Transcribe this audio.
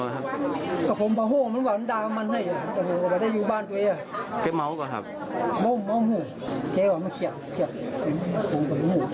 เมาส์ห่วงเก็บเมาส์ห่วงมันเขียบเขียบเมาส์ห่วงกับเมาส์ห่วง